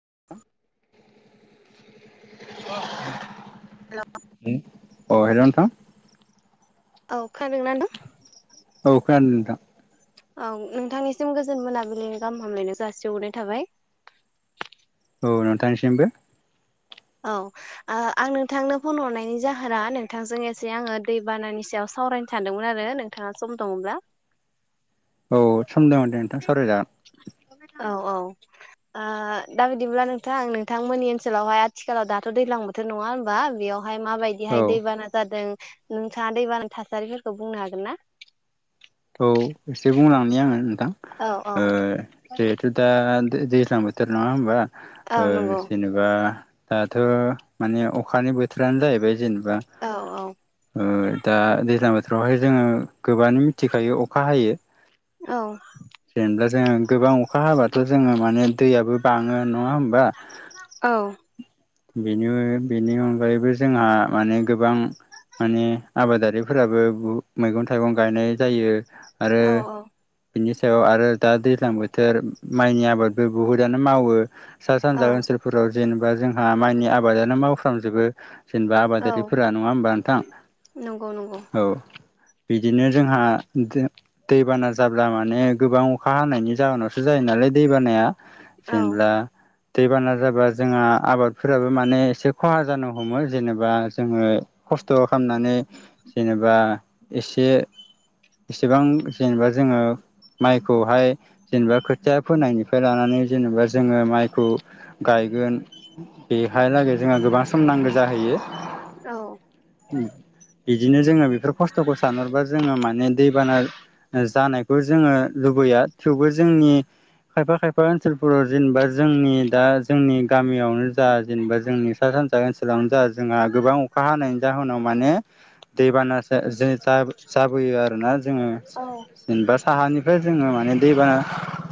[inaudible] अ hello नोंथां औ खोनादोंना नोंथां औ खोनादों नोंथां औ नोंथांनिसिम गोजोन मोनाबिलिनि गाहाम हामलायनाय जासिहरनाय थाबाय औ नोंथांनिसिमबो औ आ आं नोंथांनो फन हरनायनि जाहोना नोंथांजों एसे आङो दैबानानि सायाव सावरायनो सानदोंमोन आरो नोंथाङा सम दङब्ला औ सम दं दे नोंथां सायराय जागोन आ दा बिदिब्ला नोंथां नोंथांमोननि ओनसोलावहाय आथिखालाव दाथ' दैज्लां बोथोर नङा हबा बेयाव बेहाय औ माबायदिहाय दैबाना जादों नोंथाङा दैबानानि थासारिफोरखौ बुंनो हागोन ना? औ एसे बुंलांनि आङो नोंथां औ औ ओ जिहेथु दा दैज्लां बोथोर नङा होमबा औ ओ नंगौ जेनेबा दाथ' माने अखानि बोथोरानो जाहैबाय जेनेबा औ बा ओ दैज्लां बोथोरावहाय जोङो गोबाङानो मिथि थिखायो अखा हायो औ जेनेबा जोङो गोबां अखा हाबाथ' जोङो माने दैयाबो बाङो नङा होमबा औ बेनि बेनि अनगायैबो जोंहा माने गोबां माने आबादारिफोराबो मैगं थाइगं गायनाय जायो आरो औ औ बिनि सायाव आरो दा दैज्लां बोथोर माइनि आबादबो बुहुदानो मावो सा औ सानजा ओनसोलफोराव जेनेबा जोंहा माइनि आबादानो मावफ्रामजोबो जेनेबा औ आबादारिफोरा नङा होमबा नोंथां नंगौ नंगौ औ बिदिनो जोंहा दैबाना जाब्ला माने गोबां अखा हानायनि जाहोनावसो जायो नालाय दै बानाया औ जेनेबा दै बाना जाबा जों आबाद फोराबो माने एसे खहा जानो हमो जेननोबा जोङो खस्थ' खालामनानै जेनेबा एसे एसेबां जेनेबा जोङो माइखौहाय जेनेबा खोथिया फोनायनिफ्राय लानानै जेनेबा जोङो माइखौ गायो हैगोन बेहालागै जोंहा गोबां सम नांगौ जाहैयो औ बिदिनो जोङो बेफोर खस्थ'खौ सानहरबा जोङो माने दैबाना जानायखौ जोङो लुबैया थेवबो जोंनि खायफा खायफा ओनसोलफोराव जेनेबा जोंनि दा जोंनि गामियावनो दा जेनेबा जोंनि सा सानजा ओनसोलावनो जोंहा गोबां अखा हानायनि जाहोनाव माने दैबाना जा जाबोयो आरोना जोङो औ जेनेबा साहानि ओमफ्राय जोङो माने दैबाना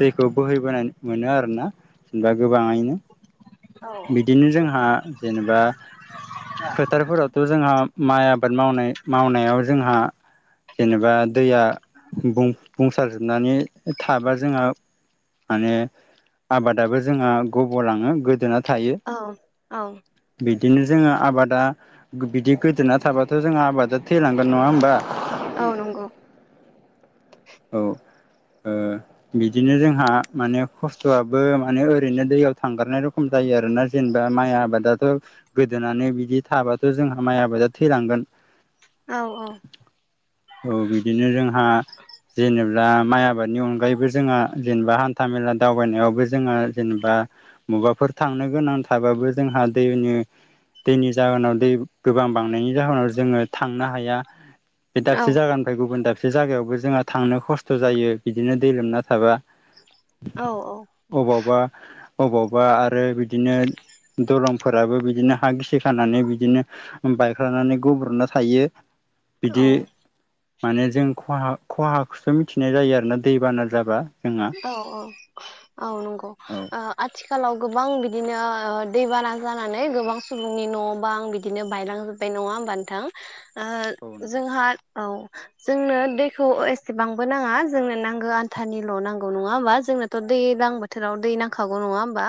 दैखौ बोहैबोनाय मोनो आरोना जेनेबा गोबाङैनो औ बिदिनो जोंहा जेनेबा फोथारफोरावथ' जोंहा माइ आबाद मावनाय मावनायाव जोंहा जेनेबा दैया बुंसार जोबनानै थाबा जोंहा माने आबादाबो जोंहा गब'लाङो गोदोना थायो औ औ बिदिनो जोङो आबादा बिदि गोदोना थाबाथ' जोंङो आबादा थैलांगोन नङा होमबा औ नंगौ औ औ बिदिनो जोंहा माने खस्थ'आबो माने ओरैनो दैयाव थांगारनाय रखम जायो आरोना जेनेबा माइ आबादाथ' गोदोनानै बिदि थाबाथ' जोंहा माइ आबादा थैलांगोन औ औ बिदिनो जोंहा जेनेबा माइ आबादनि अनगायैबो जोंङो जेनेबा हान्था मेला दावबायनायावबो जोङो जेनेबा मबाफोर थांनो गोनां थाबाबो जोंहा दैनि दैनि जाहोनाव दै गोबां बांनायनि जाहोनाव जोङो थांनो हाया बे औ दाबसे जागोनफ्राय गुबुन दाबसे एसे जायगायावबो जोंहा थांनो खस्थ' जायो बिदिनो दै लोमना थाबा औ अबावबा अबावबा आरो बिदिनो दलंफोराबो बिदिनो हा गिसि खानानै बिदिनो बायख्लानानै गब्र'ना थायो औ बिदि माने जों खहा खहाखौसो मिथिनाय जायो आरोना दैबाना जाबा जोंहा औ औ औ नंगौ औ आथिखालाव गोबां बिदिनो दैबाना जानानै गोबां सुबुंनि न' बा आं बिदिनो बायलांजोब्बाय नङा बान्थां औ नोंथां जोंहा औ जोंनो दैखौ एसेबांबो नाङा जोंनो नांगौ आन्थानिल' नांगौ नङा होमब जोंनोथ' दैज्लां बोथोराव दै नांखागौ नङा होमबा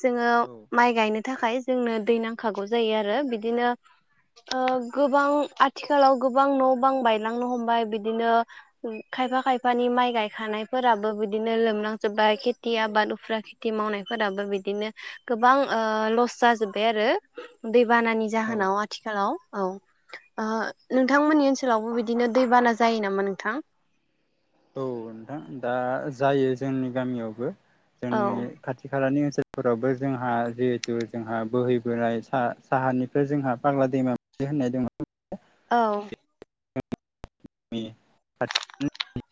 जोङो औ माइ गायनो थाखाय जोंनो दै नांखागौ जायो आरो बिदिनो गोबां आथिखालाव गोबां न' बां बायलांनो हमबाय बिदिनो खायफा खायफानि माइ गायखानायफोराबो बिदि बिदिनो लोमनांजोबबाय खेथि आबाद उफ्रा खेथि मावनायफोराबो बिदिनो गोबां लस जाजोबबाय आरो दैबानानि औ जाहोनाव आथिखालाव औ नोंथांमोननि ओनसोलावबो बिदिनो दै बाना जायो नामा नोंथां औ नोंथां दा जायो जोंनि गामियावबो औ जोंनि खाथि खालानि ओनसोल फोरावबो जोंहा जिहेथु जोंहा बोहैबोनाय साहानिफ्राय जोंहा फाग्ला दैमा होननाय दंङो औ [unintelligible] [unintelligible]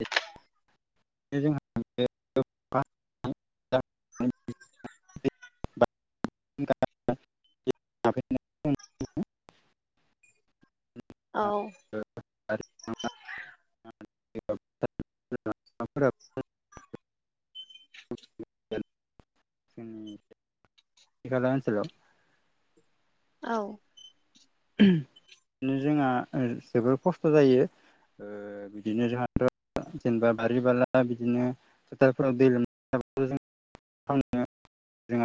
जोंहा [unintelligible] [unintelligible] [unintelligible] [unintelligible] [unintelligible] औ [unintelligible] [unintelligible] [unintelligible] [unintelligible] ओम खाथि खाला ओनसोलाव औ [unintelligible] बिदिनो जोंहा जोबोर खस्थ' जायो ओ बिदिनो जोंहाथ' जेनेबा बारि बाला बिदिनो फोथारफोराव दै लोम [unintelligible] [unintelligible] [unintelligible]